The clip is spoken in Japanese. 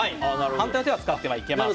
反対の手は使ってはいけません。